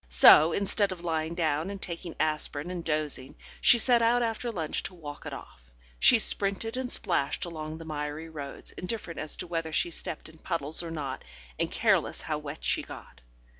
So, instead of lying down and taking aspirin and dozing, she set out after lunch to walk it off. She sprinted and splashed along the miry roads, indifferent as to whether she stepped in puddles or not, and careless how wet she got.